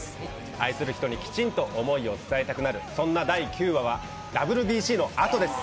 愛する人にきちんと思いを伝えたくなるそんな第９話はＷＢＣのあとです。